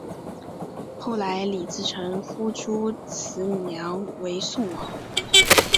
后来李自成封朱慈烺为宋王。